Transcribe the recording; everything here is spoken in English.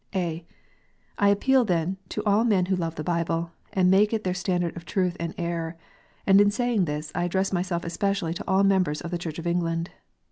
(a) I appeal then to all men who love the Bible, and make it their standard of truth and error; and in saying this, I address myself especially to all members of the Church of England.